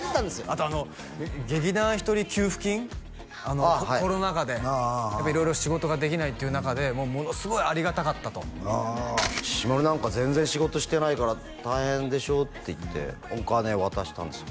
あと劇団ひとり給付金あっはいコロナ禍でやっぱ色々仕事ができないっていう中でもうものすごいありがたかったとしし丸なんか全然仕事してないから大変でしょって言ってお金渡したんですよ